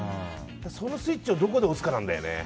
そのスイッチをどこで押すかなんだよね。